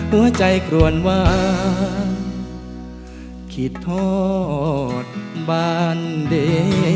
หัวใจกลวดวาคิดทอดบานเร็